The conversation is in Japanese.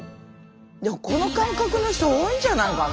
でもこの感覚の人多いんじゃないかな？